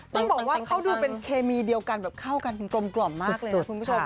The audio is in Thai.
ต้องบอกว่าเขาดูเป็นเคมีเดียวกันแบบเข้ากันกลมมากเลยนะคุณผู้ชม